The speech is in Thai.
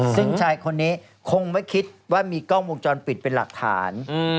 ซึ่งชายคนนี้คงไม่คิดว่ามีกล้องวงจรปิดเป็นหลักฐาน